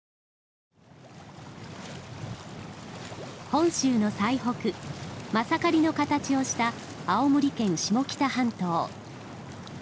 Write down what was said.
本州の最北まさかりの形をした青森県下北半島。